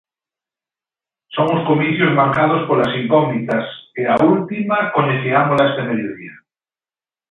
Son uns comicios marcados polas incógnitas e a última coñeciámola este mediodía.